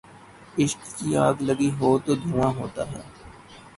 عشق کی آگ لگی ہو تو دھواں ہوتا ہے